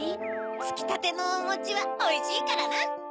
つきたてのおもちはおいしいからな。